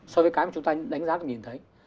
so với cái mà chúng ta đánh giá là nhìn thấy